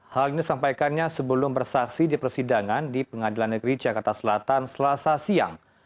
hal ini disampaikannya sebelum bersaksi di persidangan di pengadilan negeri jakarta selatan selasa siang